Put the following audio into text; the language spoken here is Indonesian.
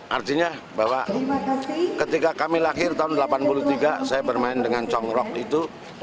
artinya bahwa ketika kami lahir tahun seribu sembilan ratus delapan puluh tiga saya bermain dengan congrok itu